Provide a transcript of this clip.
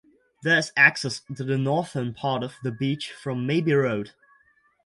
There is access to the northern part of the beach from Mabey Road.